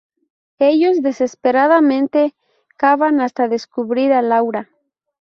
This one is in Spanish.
Ellos desesperadamente cavan hasta descubrir a Laura.